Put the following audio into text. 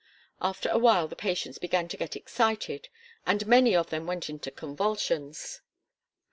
After a while the patients began to get excited, and many of them went into convulsions.